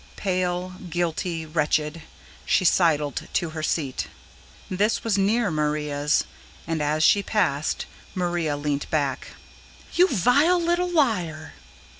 Pale, guilty, wretched, she sidled to her seat. This was near Maria's, and, as she passed, Maria leant back. "You VILE little liar!"